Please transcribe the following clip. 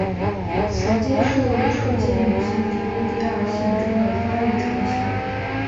雌激素促进女性第一第二性征的发育成熟。